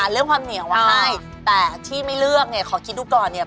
เรื่องความเหนียวมาให้แต่ที่ไม่เลือกเนี่ยขอคิดดูก่อนเนี่ย